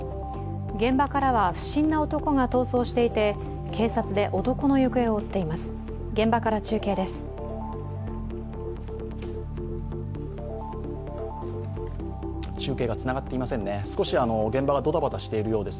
現場からは不審な男が逃走していて、警察で男の行方を追っています。